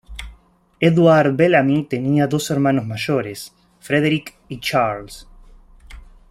Edward Bellamy tenía dos hermanos mayores, Frederick y Charles.